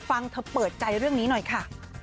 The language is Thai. ฟังเธอเปิดใจเรื่องนี้หน่อยค่ะ